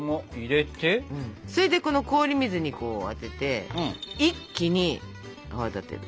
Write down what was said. それでこの氷水にあてて一気に泡立てる。